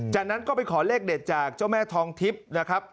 จากนั้นก็ไปขอเลขเด็ดจากเจ้าแม่ทองทิพย์นะครับ